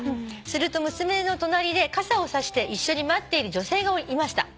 「すると娘の隣で傘を差して一緒に待っている女性がいました」